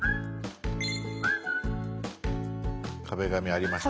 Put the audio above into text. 「壁紙」ありました。